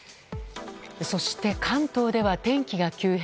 そして、関東では天気が急変。